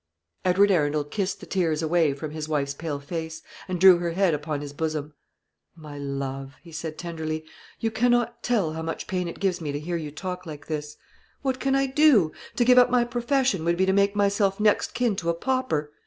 Edward Arundel kissed the tears away from his wife's pale face, and drew her head upon his bosom. "My love," he said tenderly, "you cannot tell how much pain it gives me to hear you talk like this. What can I do? To give up my profession would be to make myself next kin to a pauper.